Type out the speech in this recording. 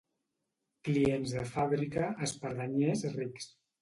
Clients de fàbrica, espardenyers rics.